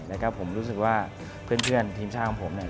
แล้วก็ผมรู้สึกว่าเพื่อนทีมชาติของผมเนี่ย